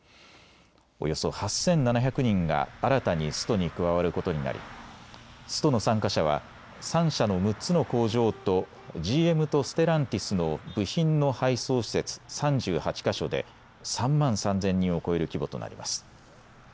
およそ８７００人が新たにストに加わることになりストの参加者は３社の６つの工場とＧＭとステランティスの部品の配送施設３８か所で３万３０００人を超える規模となります。